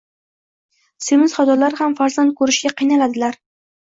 Semiz xotinlar ham farzand ko'rishga qiynaladilar.